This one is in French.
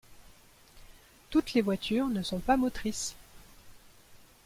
Toutes les voitures ne sont pas motrices.